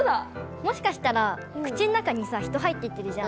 もしかしたら口の中にさ人入ってってるじゃん。